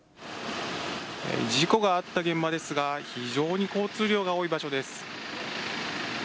事故があった現場ですが、非常に交通量が多い場所です。